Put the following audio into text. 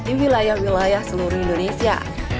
di wilayah wilayah seluruh indonesia